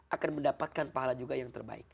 akan mendapatkan pahala juga yang terbaik